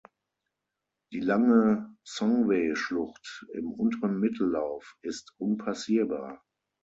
Die lange Songwe-Schlucht im unteren Mittellauf ist unpassierbar.